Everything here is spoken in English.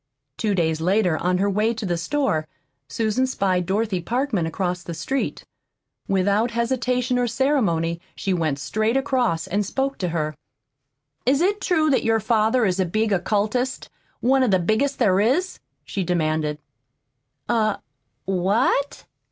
Two days later, on her way to the store, Susan spied Dorothy Parkman across the street. Without hesitation or ceremony she went straight across and spoke to her. "Is it true that your father is a big occultist, one of the biggest there is?" she demanded. "A what?"